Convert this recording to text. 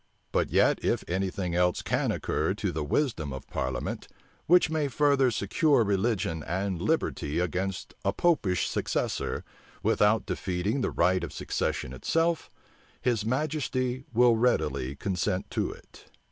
But yet, if any thing else can occur to the wisdom of parliament, which may further secure religion and liberty against a Popish successor, without defeating the right of succession itself, his majesty will readily consent to it."